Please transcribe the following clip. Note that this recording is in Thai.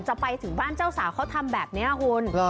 ไปถึงบ้านเจ้าสาวเขาทำแบบนี้คุณ